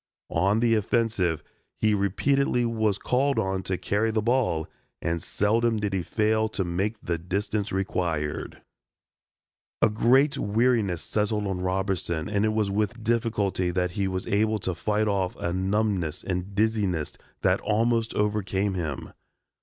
On the offensive he repeatedly was called on to carry the ball and seldom did he fail to make the distance required. A great weariness settled on Robertson and it was with difficulty that he was able to fight off a numbness and dizziness that almost overcame him.